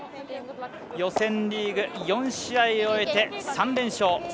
予選リーグ、４試合終えて３連勝。